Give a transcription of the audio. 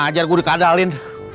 majer ku dikadalin